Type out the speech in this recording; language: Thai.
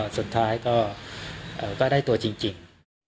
สุดท้ายก็ได้ตัวจริง